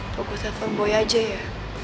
tunggu gue telepon boy aja ya